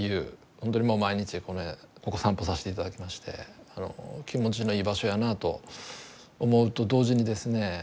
本当にもう毎日ここ散歩させて頂きまして気持ちのいい場所やなと思うと同時にですね